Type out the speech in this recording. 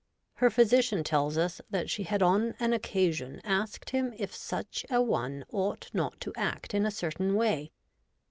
Her physician tells us that she had on an occasion asked him if such an one ought not to act in a certain way.